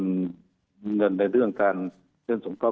มีเงินในเรื่องการเงินสมเขา